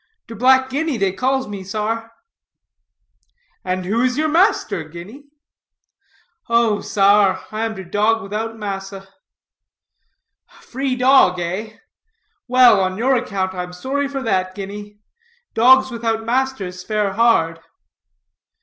"Der Black Guinea dey calls me, sar." "And who is your master, Guinea?" "Oh sar, I am der dog widout massa." "A free dog, eh? Well, on your account, I'm sorry for that, Guinea. Dogs without masters fare hard."